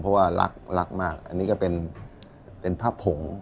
เพราะว่ารักรักมากอันนี้ก็เป็นผ้าผง